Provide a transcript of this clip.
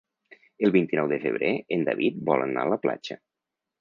El vint-i-nou de febrer en David vol anar a la platja.